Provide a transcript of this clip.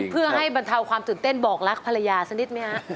เพื่อให้บนเท้าความตื่นเต้นบอกลักษณะภรรยาสักนิดมั้ยคะ